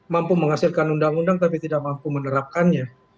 mampu menghasilkan undang undang tapi tidak mampu menerapkannya